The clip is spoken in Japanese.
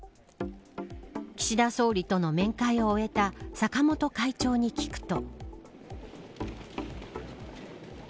岸田総理との面会を終えた坂本会長に聞くと。